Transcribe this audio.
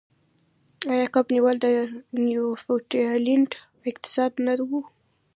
آیا کب نیول د نیوفونډلینډ اقتصاد نه و؟